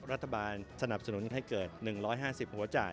รัฐบาลสนับสนุนให้เกิด๑๕๐หัวจ่าย